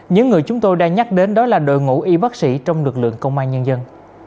những người chúng tôi đang nhắc đến đó là đội ngũ y bác sĩ trong lực lượng công an nhân dân